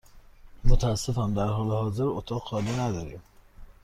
متأسفم، در حال حاضر اتاق خالی نداریم.